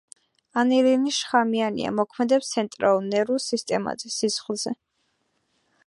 ანილინი შხამიანია, მოქმედებს ცენტრალურ ნერვულ სისტემაზე, სისხლზე.